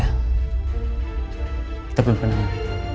kita belum kenalin